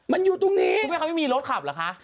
มันอยู่ตรงนี้คุณแม่มันจะมีรถขับเหรอคะ